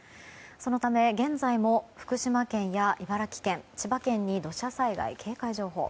そのため現在も福島県や茨城県、千葉県に土砂災害警戒情報。